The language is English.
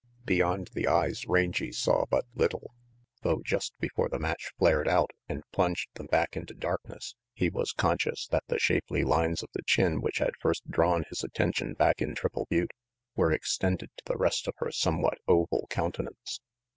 Beyond the eyes Rangy saw but little, though just before the match flared out and plunged them back into darkness he was conscious that the shapely lines of the chin which had first drawn his attention back in Triple Butte were extended to the rest of her somewhat oval countenance.